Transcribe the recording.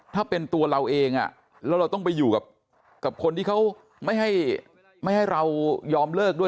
ถ้าเป็นตัวเราเองแล้วเราต้องไปอยู่กับคนที่เขาไม่ให้เรายอมเลิกด้วย